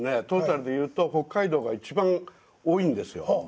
トータルでいうと北海道が一番多いんですよ。